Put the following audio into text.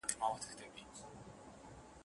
څوک له ښاره څوک راغلي وه له کلي